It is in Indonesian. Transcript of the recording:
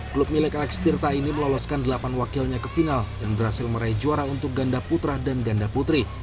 klub milik alex tirta ini meloloskan delapan wakilnya ke final dan berhasil meraih juara untuk ganda putra dan ganda putri